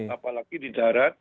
apalagi di darat